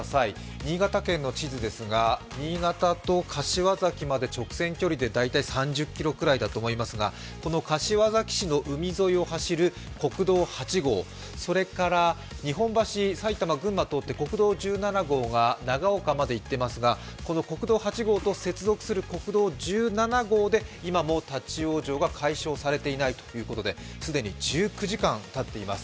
新潟県の地図ですが新潟と柏崎まで直線距離で３０ｋｍくらいだと思いますがこの柏崎市の海沿いを走る国道８号それから日本の端、埼玉、群馬と国道１７号が長岡までいってますがこの国道８号と接続する国道１７号で今も立往生が解消されていないということで既に１９時間がたっています。